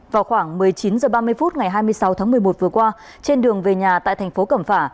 vào khoảng một mươi chín h ba mươi phút ngày hai mươi sáu tháng một mươi một vừa qua trên đường về nhà tại thành phố cẩm phả